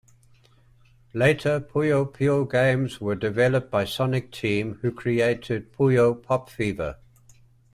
Later Puyo Puyo games were developed by Sonic Team, who created "Puyo Pop Fever".